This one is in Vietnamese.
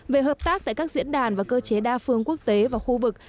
về hợp tác tại các diễn đàn và cơ chế đa phương quốc tế và khu vực